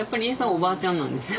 おばあちゃんなんですよ。